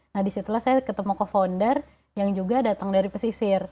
nah disitulah saya ketemu co founder yang juga datang dari pesisir